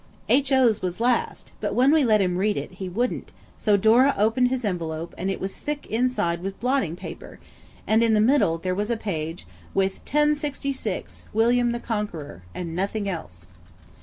H.O.'s was last, but when we let him read it he wouldn't so Dora opened his envelope and it was thick inside with blotting paper, and in the middle there was a page with 1066 WILLIAM THE CONQUEROR, and nothing else.